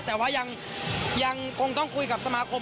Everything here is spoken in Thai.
แต่ว่ายังคงต้องคุยกับสมาคม